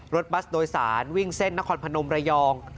บัสโดยสารวิ่งเส้นนครพนมระยอง